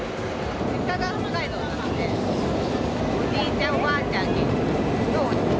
実家が北海道なので、おじいちゃん、おばあちゃんのおうち。